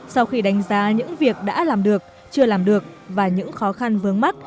sau khi đánh giá những việc đã làm được chưa làm được và những khó khăn vướng mắt